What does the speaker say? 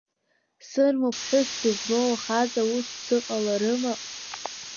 Сырма ԥҳәысс дызмоу ахаҵа ус дзыҟаларыма?